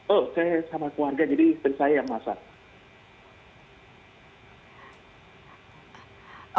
oh saya sama keluarga jadi istri saya yang masak